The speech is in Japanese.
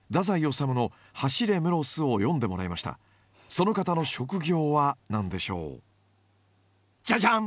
その方の職業は何でしょう？じゃじゃん！